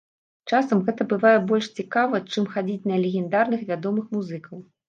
Часам гэта бывае больш цікава чым, хадзіць на легендарных, вядомых музыкаў.